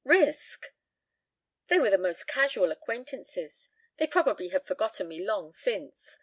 "Risk? They were the most casual acquaintances. They probably have forgotten me long since.